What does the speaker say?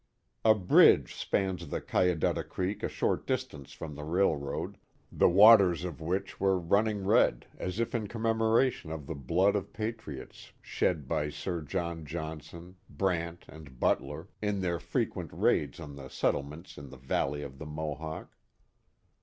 A bridge spans the Cayadutta Creek a short distance from the railroad, the waters of which were running red as if in com memoration of the blood of patriots shed by Sir John John son, Brant, and Butler in their frequent raids on the settle ments in the valley of the Mohawk.